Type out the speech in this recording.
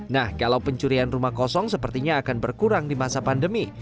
nah kalau pencurian rumah kosong sepertinya akan berkurang di masa pandemi